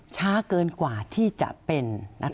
ช้าเกินกว่าที่จะเป็น